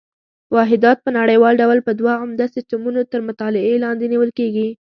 واحدات په نړیوال ډول په دوه عمده سیسټمونو تر مطالعې لاندې نیول کېږي.